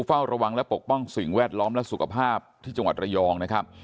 เฝ้าระวังและปกป้องสิ่งแวดล้อมและสุขภาพที่จังหวัดระยองนะครับ